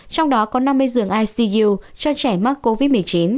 trong đó có năm mươi giường icu cho trẻ mắc covid một mươi chín